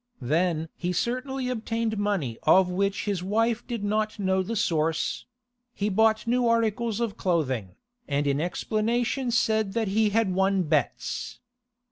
Then he certainly obtained money of which his wife did not know the source; he bought new articles of clothing, and in explanation said that he had won bets.